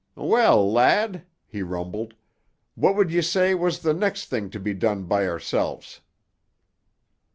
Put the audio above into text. "Well, lad," he rumbled, "what would ye say was the next thing to be done by oursel's?"